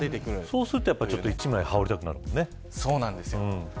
そうすると一枚羽織たくなるんでね。